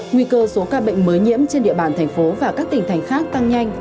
nguy cơ số ca bệnh mới nhiễm trên địa bàn thành phố và các tỉnh thành khác tăng nhanh